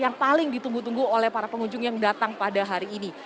yang paling ditunggu tunggu oleh para pengunjung yang datang pada hari ini